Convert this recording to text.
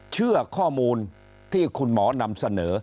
เชื่อข้อมูลที่คุณหมอนำเสนอ